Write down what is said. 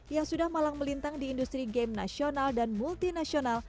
yang sudah malang melintang di industri game nasional dan multinasional